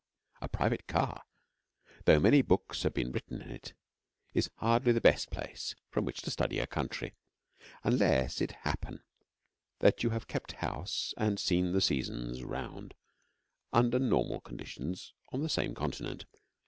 A private car, though many books have been written in it, is hardly the best place from which to study a country, unless it happen that you have kept house and seen the seasons round under normal conditions on the same continent.